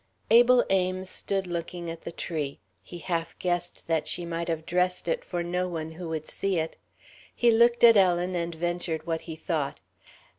Abel Ames stood looking at the tree. He half guessed that she might have dressed it for no one who would see it. He looked at Ellen and ventured what he thought.